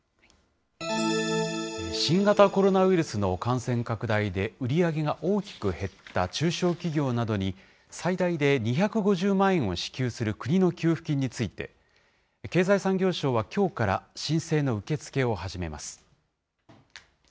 新型コロナウイルスの感染拡大で、売り上げが大きく減った中小企業などに、最大で２５０万円を支給する国の給付金について、経済産業省はきょうから申請の受け付けを始めます。